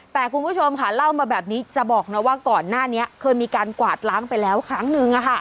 แต่คุณผู้ชมค่ะเล่ามาแบบนี้จะบอกนะว่าก่อนหน้านี้เคยมีการกวาดล้างไปแล้วครั้งนึง